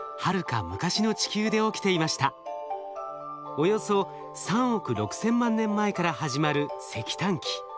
およそ３億６千万年前から始まる石炭紀。